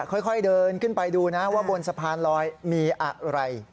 ค่อยเดินขึ้นไปดูนะว่าบนสะพานลอยมีอะไร